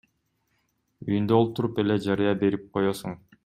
Үйүндө олтуруп эле жарыя берип коесуң.